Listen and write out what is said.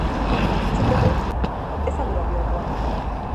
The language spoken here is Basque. Richterrek ez al du balio orduan?